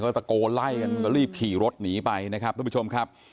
ตะโกนไล่กันก็รีบขี่รถหนีไปนะครับทุกผู้ชมครับ